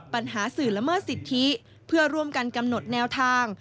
ปัญหาสื่อละเมิดสิทธิเพื่อร่วมกันกำหนดแนวทาง